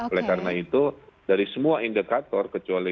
oleh karena itu dari semua indikator kecuali